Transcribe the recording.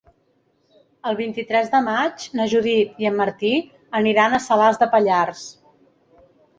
El vint-i-tres de maig na Judit i en Martí aniran a Salàs de Pallars.